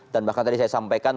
dan bahkan tadi saya sampaikan